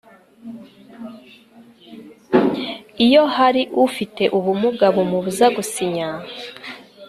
Iyo hari ufite ubumuga bumubuza gusinya